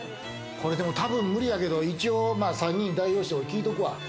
多分無理やけど一応３人を代表して俺聞いとくわ。